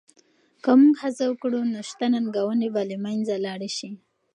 که موږ هڅه وکړو نو شته ننګونې به له منځه لاړې شي.